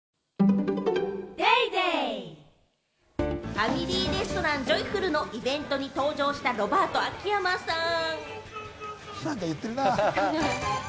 ファミリーレストラン、ジョイフルのイベントに登場したロバート・秋山さん。